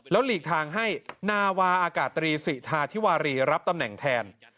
หลีกทางให้นาวาอากาศตรีสิทาธิวารีรับตำแหน่งแทน